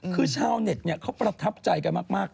คือชาวเน็ตเขาประทับใจกันมาก